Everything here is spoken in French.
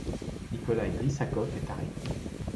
Nikolaï Ryssakov est arrêté.